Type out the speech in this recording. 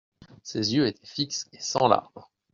Ses yeux étaient fixes et sans larmes.